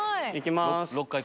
行きます。